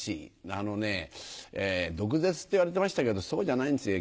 あのね、毒舌っていわれてましたけど、そうじゃないんですよ。